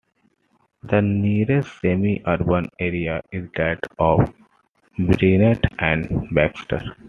The nearest semi-urban area is that of Brainerd and Baxter.